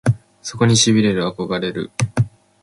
そこに痺れる憧れる